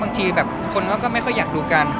บางทีแบบคนเขาก็ไม่ค่อยอยากดูกัน